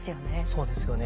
そうですよね。